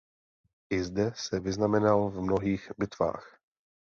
I zde se vyznamenal v mnohých bitvách.